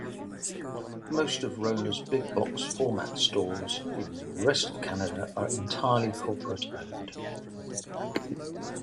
Most of Rona's big-box format stores in the rest of Canada are entirely corporate-owned.